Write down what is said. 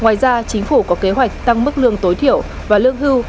ngoài ra chính phủ có kế hoạch tăng mức lương tối thiểu và lương hưu